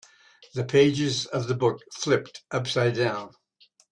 The pages of the book flipped upside down.